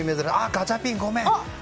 ガチャピン、ごめんね。